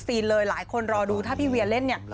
เลยหลายคนรอดูถ้าพี่เวียเล่นเนี่ย